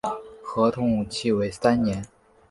合同期为三年。